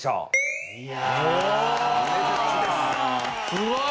すごい。